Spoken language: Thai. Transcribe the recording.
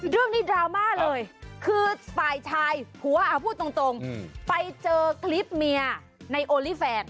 เรื่องนี้ดราม่าเลยคือฝ่ายชายหัวพูดตรงไปเจอคลิปเมียในโอลี่แฟน